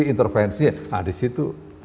intervensinya nah di situ